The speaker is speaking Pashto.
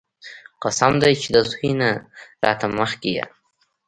قسم دې چې د زوى نه راله مخکې يې.